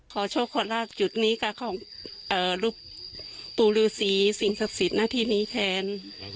ขอโชคคอลาจจุดนี้กับรูปปูรือสีสิ่งศักดิ์สิทธิ์ณที่นี้แทน